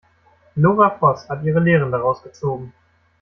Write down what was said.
Lora Voß hat ihre Lehren daraus gezogen.